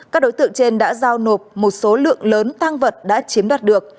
các đối tượng trên đã giao nộp một số lượng lớn tăng vật đã chiếm đoạt được